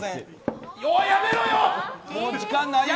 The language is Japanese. やめろよ！